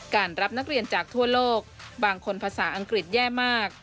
การรับนักเรียนจากทั่วโลกบางคนภาษาอังกฤษแย่มาก